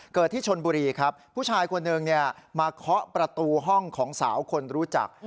ที่ชนบุรีครับผู้ชายคนหนึ่งมาเคาะประตูห้องของสาวคนรู้จัก